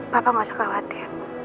papa gak usah khawatir